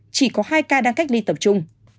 chỉ có hai ca đang cách ly tập trung